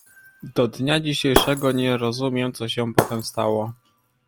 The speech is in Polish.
"Do dnia dzisiejszego nie rozumiem, co się potem stało."